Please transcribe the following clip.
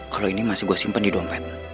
kalo ini masih gua simpen di dompet